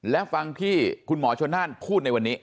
และฟังที่คุณหมอชนนั่นพูดในวันนี้